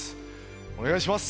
お願いします！